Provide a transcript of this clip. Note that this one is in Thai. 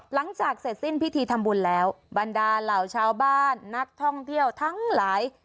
หลังจากเสร็จสิ้นพิธีทำบุญแล้วบรรดาเหล่าชาวบ้านนักท่องเที่ยวทั้งหลาย